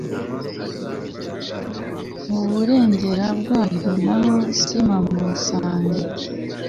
mu burengero bwaryo na ho, simpamusange